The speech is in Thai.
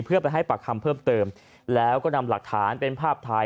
เพื่อไปให้ปากคำเพิ่มเติมแล้วก็นำหลักฐานเป็นภาพถ่าย